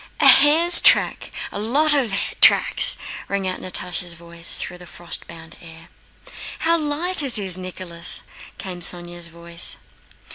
"A hare's track, a lot of tracks!" rang out Natásha's voice through the frost bound air. "How light it is, Nicholas!" came Sónya's voice.